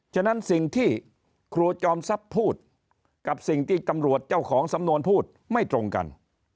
ฉะนั้นสิ่งที่ครูจอมทรัพย์พูดกับสิ่งที่ตำรวจเจ้าของสำนวนพูดไม่ตรงกัน